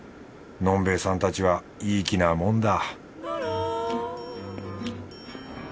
飲兵衛さんたちはいい気なもんだ